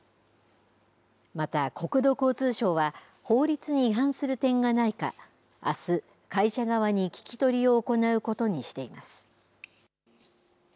また国土交通省は、法律に違反する点がないか、あす、会社側に聞き取りを行うことにしています。